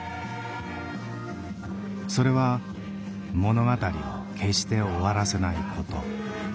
それは物語を決して終わらせないこと。